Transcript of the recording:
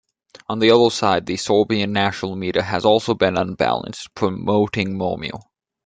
On the other side, the Serbian national media had also been unbalanced, promoting Momir.